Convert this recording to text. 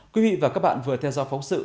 quý vị và các bạn vừa theo dõi phóng sự